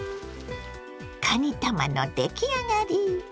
かにたまの出来上がり。